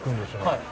はい。